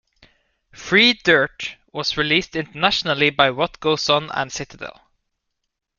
"Free Dirt" was released internationally by What Goes On and Citadel.